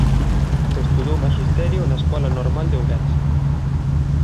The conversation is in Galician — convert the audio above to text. Estudou maxisterio na Escola Normal de Ourense.